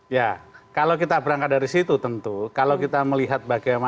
ya kalau kita berangkat dari situ tentu kalau kita melihat bagaimana